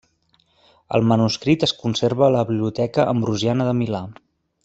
El manuscrit es conserva a la Biblioteca Ambrosiana de Milà.